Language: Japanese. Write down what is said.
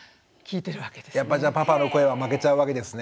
やっぱじゃあパパの声は負けちゃうわけですね。